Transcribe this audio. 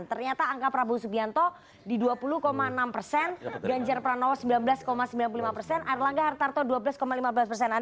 ternyata angka prabowo subianto di dua puluh enam persen ganjar pranowo sembilan belas sembilan puluh lima persen air langga hartarto dua belas lima belas persen